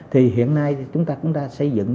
thì hiện nay chúng ta cũng đã xây dựng